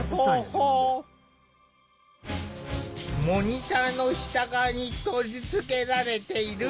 モニターの下側に取り付けられている